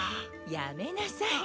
やめなさい。